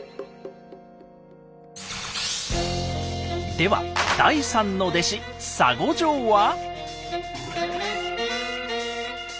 では第３の弟子沙悟淨は？